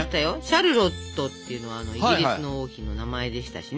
シャルロットっていうのはイギリスの王妃の名前でしたしね。